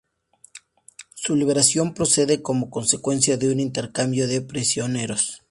Su liberación procede como consecuencia de un intercambio de prisioneros.